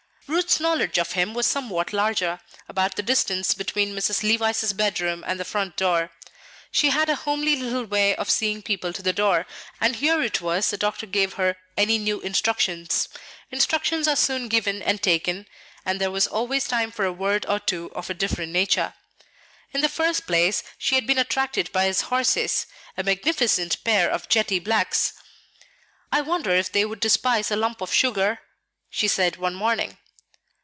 Ruth's knowledge of him was somewhat larger, about the distance between Mrs. Levice's bedroom and the front door. She had a homely little way of seeing people to the door, and here it was the doctor gave her any new instructions. Instructions are soon given and taken; and there was always time for a word or two of a different nature. In the first place, she had been attracted by his horses, a magnificent pair of jetty blacks. "I wonder if they would despise a lump of sugar," she said one morning.